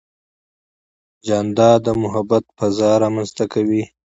جانداد د محبت فضا رامنځته کوي.